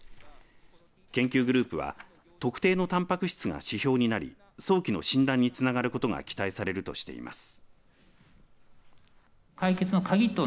研究グループは特定のたんぱく質が指標になり早期の診断につながることが期待されるとしています。